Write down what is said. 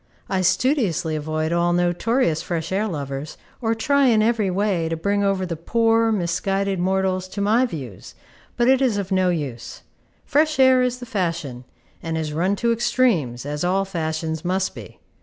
I studiously avoid all notorious fresh air lovers, or try in every way to bring over the poor, misguided mortals to my views; but it is of no use. Fresh air is the fashion, and is run to extremes, as all fashions must be.